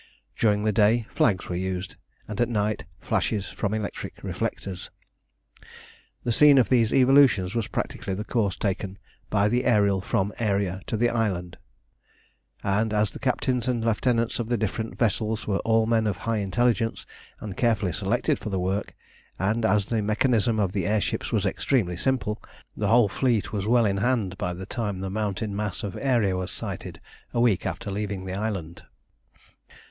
During the day flags were used, and at night flashes from electric reflectors. The scene of these evolutions was practically the course taken by the Ariel from Aeria to the island; and as the captains and lieutenants of the different vessels were all men of high intelligence, and carefully selected for the work, and as the mechanism of the air ships was extremely simple, the whole fleet was well in hand by the time the mountain mass of Aeria was sighted a week after leaving the island.